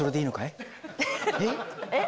えっ？